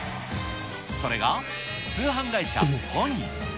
それが、通販会社ポニー。